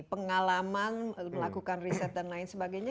pengalaman melakukan riset dan lain sebagainya